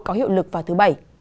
có hiệu lực vào thứ bảy